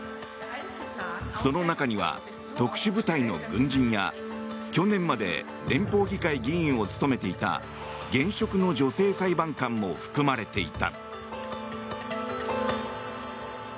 その中には特殊部隊の軍人や去年まで連邦議会議員を務めていた現職の女性裁判官も含まれていた。